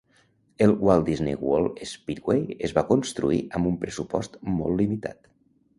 El Walt Disney World Speedway es va construir amb un pressupost molt limitat.